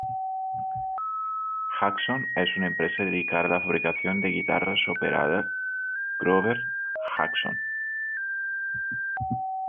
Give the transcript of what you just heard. Jackson es una empresa dedicada a la fabricación de guitarras operada Grover Jackson.